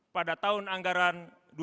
pada tahun anggaran dua ribu sembilan belas